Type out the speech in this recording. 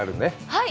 はい。